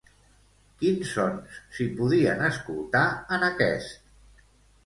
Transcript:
Quins sons s'hi podien escoltar en aquest?